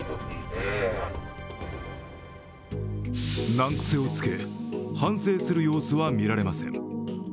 難癖をつけ、反省する様子は見られません。